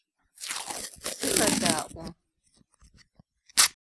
Sıkheda'o!